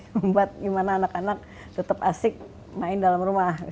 membuat gimana anak anak tetap asik main dalam rumah